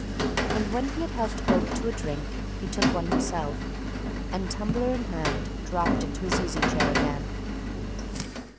And when he had helped both to a drink, he took one himself, and tumbler in hand, dropped into his easy chair again.